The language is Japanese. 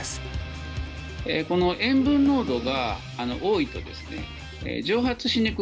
この塩分濃度が多いとですね